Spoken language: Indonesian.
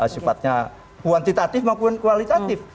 sifatnya kuantitatif maupun kualitatif